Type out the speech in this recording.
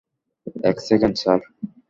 এক second, sir.